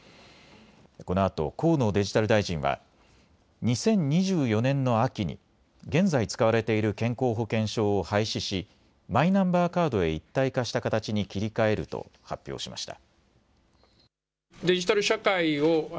このあと河野デジタル大臣は２０２４年の秋に現在使われている健康保険証を廃止しマイナンバーカードへ一体化した形に切り替えると発表しました。